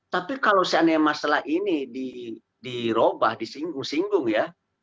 tapi kalau seandainya masalah ini dirobah disinggung singgung ya